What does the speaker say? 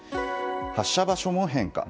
発射場所の変化。